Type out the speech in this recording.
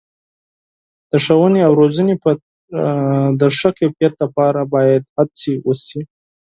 د ښوونې او روزنې د ښه کیفیت لپاره باید هڅې وشي.